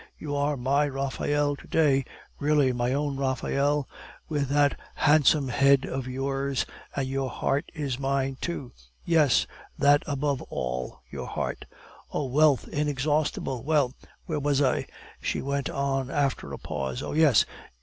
You are MY Raphael to day, really my own Raphael, with that handsome head of yours, and your heart is mine too; yes, that above all, your heart O wealth inexhaustible! Well, where was I?" she went on after a pause. "Oh yes!